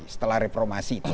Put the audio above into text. setelah reformasi itu